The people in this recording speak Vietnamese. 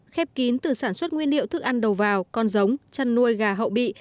khép kín từ sản xuất nguyên liệu thức ăn đầu vào con giống chăn nuôi gà hậu bị